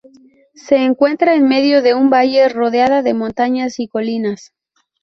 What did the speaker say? Se encuentra en medio de un valle, rodeada de montañas y colinas.